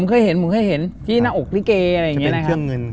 เป็นเครื่องเงินครับ